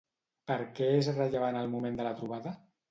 Per què és rellevant el moment de la trobada?